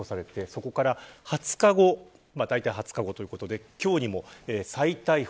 そこからだいたい２０日後ということで今日にも再逮捕。